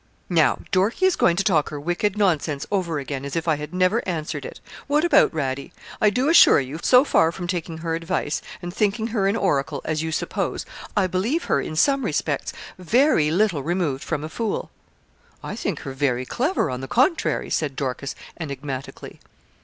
'Now, Dorkie is going to talk her wicked nonsense over again, as if I had never answered it. What about Radie? I do assure you, so far from taking her advice, and thinking her an oracle, as you suppose, I believe her in some respects very little removed from a fool.' 'I think her very clever, on the contrary,' said Dorcas, enigmatically.